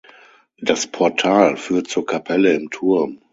Das Portal führt zur Kapelle im Turm.